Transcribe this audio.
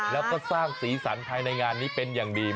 แล้วก็สร้างสีสันภายในงานนี้เป็นอย่างดี